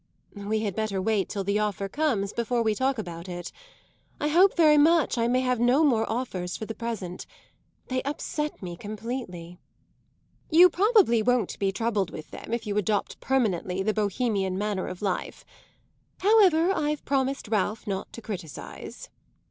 "We had better wait till the offer comes before we talk about it. I hope very much I may have no more offers for the present. They upset me completely." "You probably won't be troubled with them if you adopt permanently the Bohemian manner of life. However, I've promised Ralph not to criticise."